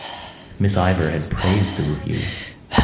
Miss Ivors had praised the review.